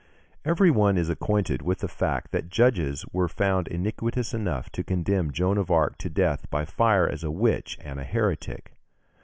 Every one is acquainted with the fact that judges were found iniquitous enough to condemn Joan of Arc to death by fire as a witch and a heretic.